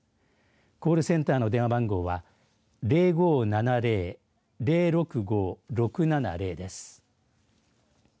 コールセンターの電話番号は０５７０‐０６５６７０です。